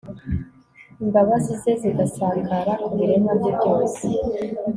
imbabazi ze zigasakara ku biremwa bye byose